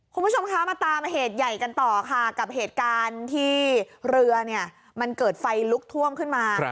คุณผู้ชมคะมาตามเหตุใหญ่กันต่อค่ะกับเหตุการณ์ที่เรือเนี่ยมันเกิดไฟลุกท่วมขึ้นมา